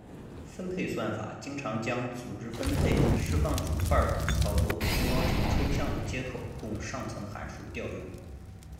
分配算法经常将组织分配释放组块等操作封装成抽象的接口供上层函数调用。